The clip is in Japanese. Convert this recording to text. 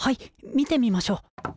見てみましょう。